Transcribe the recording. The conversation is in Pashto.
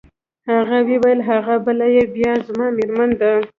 هغه وویل: هغه بله يې بیا زما مېرمن ده.